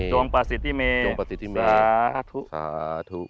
จงประสิทธิเมสาธุ